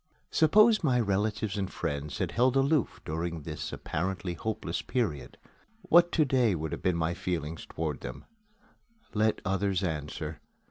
Suppose my relatives and friends had held aloof during this apparently hopeless period, what to day would be my feelings toward them? Let others answer.